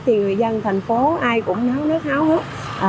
thì người dân thành phố ai cũng nấu nước háo hức